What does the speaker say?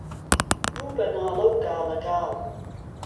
بوو به ناڵه و گاڵه گال